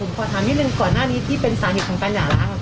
ขอถามนิดนึงก่อนหน้านี้ที่เป็นสาเหตุของการหย่าล้าง